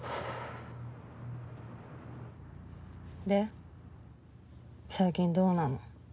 で最近どうなの？